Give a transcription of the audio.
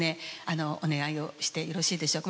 お願いをしてよろしいでしょうか。